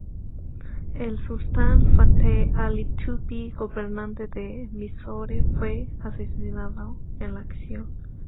El Sultán Fateh Ali Tipu, gobernante de Mysore, fue asesinado en la acción.